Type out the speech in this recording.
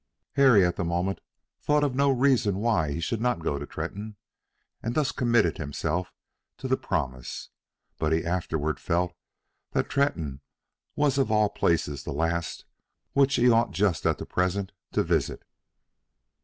Harry at the moment thought of no reason why he should not go to Tretton, and thus committed himself to the promise; but he afterward felt that Tretton was of all places the last which he ought just at present to visit.